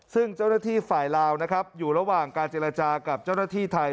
ซึ่งเจ้าหน้าที่ฝ่ายลาวนะครับอยู่ระหว่างการเจรจากับเจ้าหน้าที่ไทย